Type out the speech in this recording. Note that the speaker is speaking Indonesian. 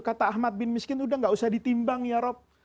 kata ahmad bin miskin udah gak usah ditimbang ya rob